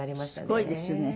すごいですね。